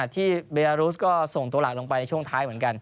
ที่เบอารูสก็ส่งตัวหลักลงไปในช่วงท้ายเหมือนกัน